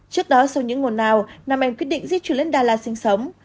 trước đó sau những hồn nào nam em quyết định di chuyển lên đà lạt sinh sống